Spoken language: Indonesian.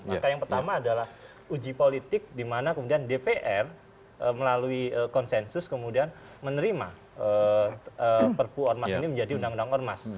maka yang pertama adalah uji politik dimana kemudian dpr melalui konsensus kemudian menerima perpu ormas ini menjadi undang undang ormas